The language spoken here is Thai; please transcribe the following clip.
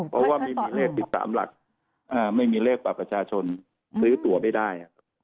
นามสามารถมีเลข๑๓หลักไม่มีเลขปรับประชาชนซื้อตัวไม่ได้